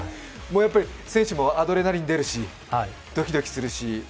選手もアドレナリン出るし、どきどきするし。